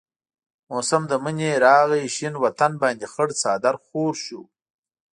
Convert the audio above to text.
موسم د منی راغي شين وطن باندي خړ څادر خور شو